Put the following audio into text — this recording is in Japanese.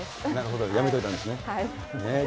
やめといたんですね。